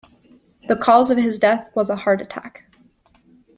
The cause of his death was a heart attack.